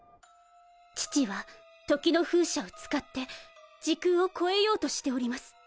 父は時の風車を使って時空を超えようとしております。